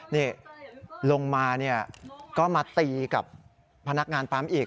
นี่ลงมาเนี่ยก็มาตีกับพนักงานปั๊มอีก